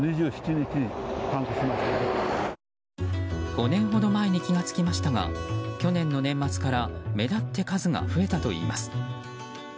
５年ほど前に気がつきましたが去年の年末から目立って数が増えたといいます。